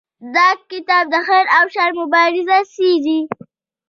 دا کتاب د خیر او شر مبارزه څیړي.